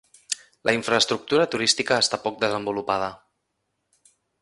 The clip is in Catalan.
La infraestructura turística esta poc desenvolupada.